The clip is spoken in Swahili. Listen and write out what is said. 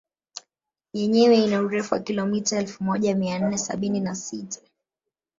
Yenyewe ina urefu wa kilomita elfu moja mia nne sabini na sita